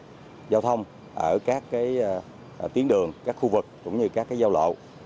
giải pháp giao thông ở các tiến đường các khu vực cũng như các giao lộ